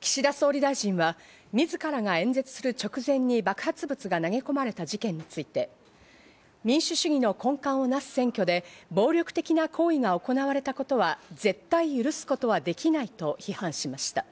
岸田総理大臣は自らが演説する直前に爆発物が投げ込まれた事件について民主主義の根幹をなす選挙で、暴力的な行為が行われたことは絶対に許すことはできないと批判しました。